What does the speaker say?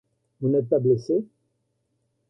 Vous n’êtes pas blessé?...